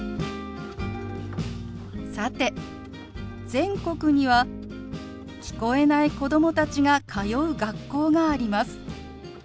さて全国には聞こえない子供たちが通う学校があります。